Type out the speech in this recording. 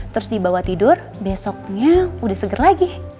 terus di bawa tidur besoknya udah seger lagi